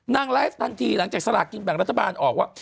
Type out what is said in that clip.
นางไลฟ์ทันทีหลังจากสลากกินแบ่งรัฐบาลออกว่า